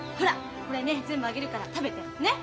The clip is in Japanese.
これね全部あげるから食べて。ね！